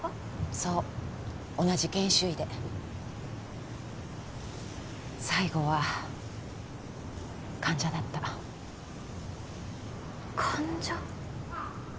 そう同じ研修医で最期は患者だった患者？